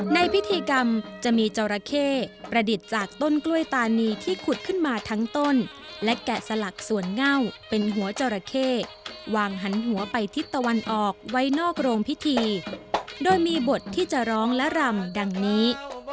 ในพิธีกรรมจะมีจราเข้ประดิษฐ์จากต้นกล้วยตานีที่ขุดขึ้นมาทั้งต้นและแกะสลักส่วนเง่าเป็นหัวจราเข้วางหันหัวไปทิศตะวันออกไว้นอกโรงพิธีโดยมีบทที่จะร้องและรำดังนี้